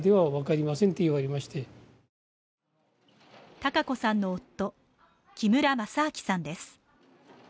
タカ子さんの夫、木村正明さんです。